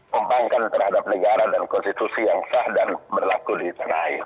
pembangkan terhadap negara dan konstitusi yang sah dan berlaku di terakhir